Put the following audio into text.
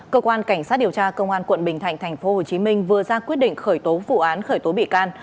cơ quan cảnh sát điều tra công an quận bình thạnh tp hcm vừa ra quyết định khởi tố vụ án khởi tố bị can